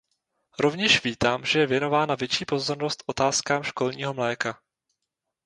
Rovněž vítám, že je věnována větší pozornost otázkám školního mléka.